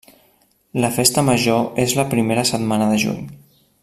La festa major és la primera setmana de juny.